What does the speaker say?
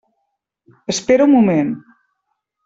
Espera un moment.